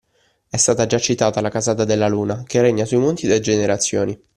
È stata già citata la casata Della Luna, che regna sui monti da generazioni.